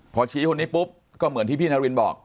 พอชี้คนนี้ปุ๊บก็เหมือนที่พี่นารินบอก